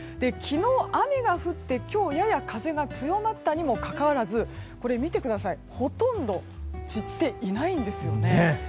昨日、雨が降って今日やや風が強まったにもかかわらず見てください、ほとんど散っていないんですよね。